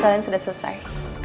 kalian sudah selesai